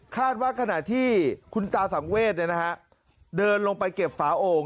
คาดว่าขณะที่คุณตาสำเวชเนี่ยนะฮะเดินลงไปเก็บฝาโอ่ง